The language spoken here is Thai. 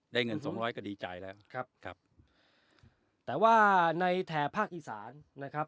เงินสองร้อยก็ดีใจแล้วครับครับแต่ว่าในแถบภาคอีสานนะครับ